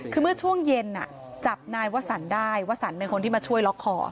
คือเมื่อช่วงเย็นจับนายวสันได้วสันเป็นคนที่มาช่วยล็อกคอ